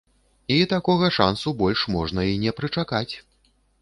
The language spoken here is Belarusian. І такога шансу больш можна і не прычакаць.